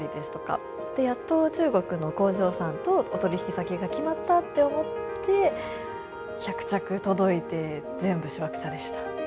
やっと中国の工場さんとお取引先が決まったって思って１００着届いて全部シワクチャでした。